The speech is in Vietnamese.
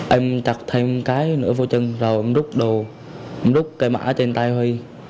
em chặt thêm cái nữa vô chân rồi em rút đồ em rút cây mã trên tay huy